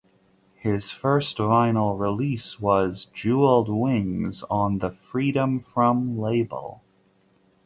His first vinyl release was "Jewelled Wings" on the Freedom From label.